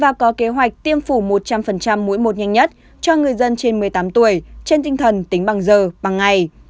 và có kế hoạch tiêm phủ một trăm linh mỗi một nhanh nhất cho người dân trên một mươi tám tuổi trên tinh thần tính bằng giờ bằng ngày